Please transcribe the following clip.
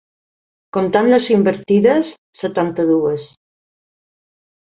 Comptant les invertides, setanta-dues.